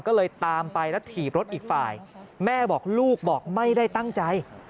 ก็เลยตามไปแล้วถีบรถอีกฝ่ายแม่บอกลูกบอกไม่ได้ตั้งใจ